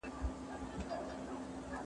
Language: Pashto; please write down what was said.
مسلکي زده کړې د کاري ځواک کیفیت لوړوي.